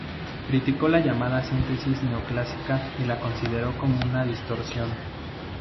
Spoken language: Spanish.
Criticó la llamada síntesis neoclásica y la consideró como una distorsión.